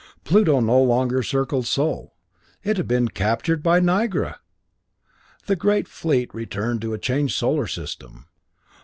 Pluto no longer circled Sol; it had been captured by Nigra! The great fleet returned to a changed Solar system.